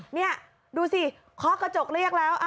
นี่ดูสิเคาะกระจกเรียกแล้ว